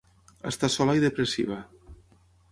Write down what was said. Està sola i depressiva.